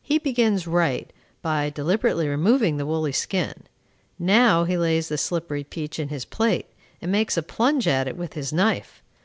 He begins right, by deliberately removing the woolly skin. Now he lays the slippery peach in his plate, and makes a plunge at it with his knife.